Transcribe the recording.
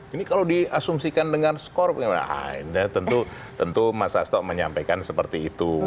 ini kalau diasumsikan dengan skor yang lain tentu mas hasto menyampaikan seperti itu